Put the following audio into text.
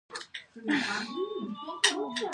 ښوونځی د رقابت ځای هم دی